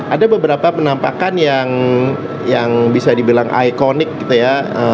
ada beberapa penampakan yang bisa dibilang ikonik gitu ya